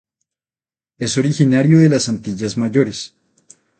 Es originario de las Antillas Mayores.